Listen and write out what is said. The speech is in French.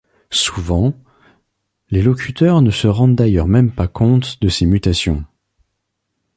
Souvent les locuteurs ne se rendent d'ailleurs même pas compte de ces mutations...